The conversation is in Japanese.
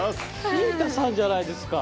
しんたさんじゃないですか。